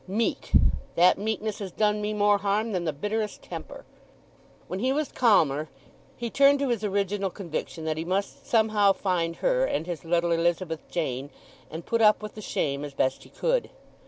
Meek—that meekness has done me more harm than the bitterest temper!" When he was calmer he turned to his original conviction that he must somehow find her and his little Elizabeth Jane, and put up with the shame as best he could.